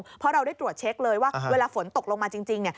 เพราะเราได้ตรวจเช็คเลยว่าเวลาฝนตกลงมาจริง